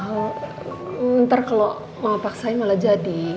al ntar kalo mama paksain malah jadi